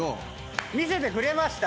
見せてくれました。